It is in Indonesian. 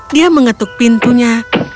dia mengetuk pintunya